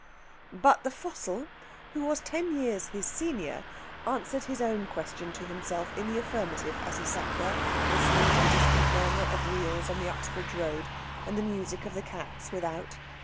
But the fossil, who was ten years his senior, answered his own question to himself in the affirmative as he sat there listening to the distant murmur of wheels on the Uxbridge Road and the music of the cats without.